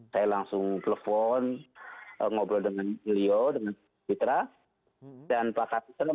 saya langsung telepon ngobrol dengan beliau dengan ketua dewan penasehat bagian hukum